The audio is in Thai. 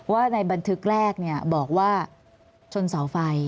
ว่าในบันทึกแรกบอกว่าชนเสาไฟ